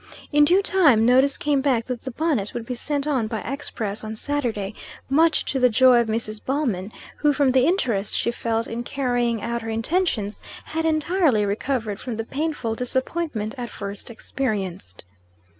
In due time, notice came back that the bonnet would be sent on by express on Saturday, much to the joy of Mrs. Ballman, who from the interest she felt in carrying out her intentions, had entirely recovered from the painful disappointment at first experienced.